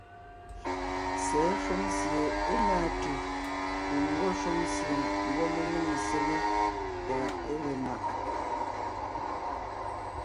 Sɛ̌ shúm sie é náa tʉ̀ piŋ ńgwɔ́ shúm sie ńgwɔ́ mé néŋe sele tà é le mag.